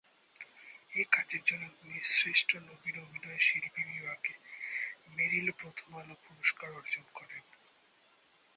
এই কাজের জন্য তিনি শ্রেষ্ঠ নবীন অভিনয়শিল্পী বিভাগে মেরিল-প্রথম আলো পুরস্কার অর্জন করেন।